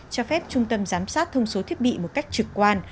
cho phép trung tâm giám sát thông số thiết bị một cách trực quan